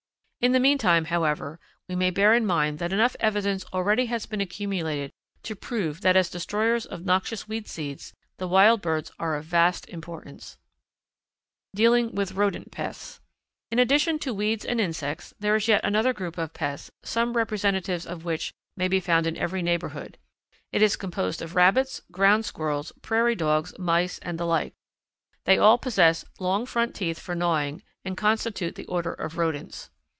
In the meantime, however, we may bear in mind that enough evidence already has been accumulated to prove that as destroyers of noxious weed seeds the wild birds are of vast importance. [Illustration: Farallon Cormorants and White Pelicans on a Government Bird Reservation in southern Oregon.] Dealing with the Rodent Pests. In addition to weeds and insects, there is yet another group of pests, some representatives of which may be found in every neighbourhood. It is composed of rabbits, ground squirrels, prairie dogs, mice, and the like. They all possess long front teeth for gnawing, and constitute the Order of Rodents.